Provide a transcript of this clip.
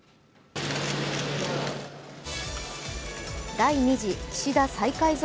第２次岸田再改造